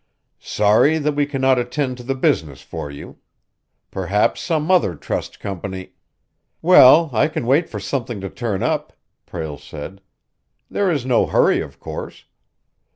"Sorry that we cannot attend to the business for you. Perhaps some other trust company " "Well, I can wait for something to turn up," Prale said. "There is no hurry, of course.